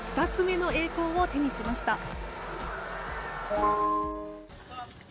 ２つ目の栄光を手にしました。